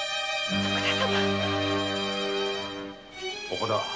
徳田様